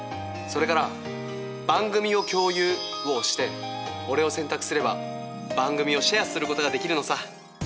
それから「番組を共有」を押して俺を選択すれば番組をシェアすることができるのさ。